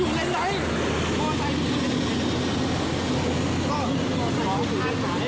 อยู่กลงพันธุ์ไหนกลงพันธุ์ไหนก็ได้